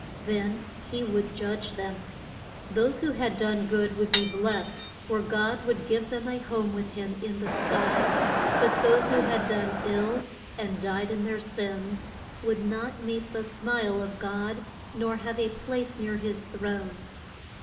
Then he would judge them. Those who had done good would be blest, for God would give them a home with him in the sky; but those who had done ill, and died in their sins, would not meet the smile of God, nor have a place near his throne.